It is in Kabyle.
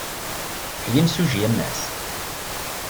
Kečč d imsujji a Mass?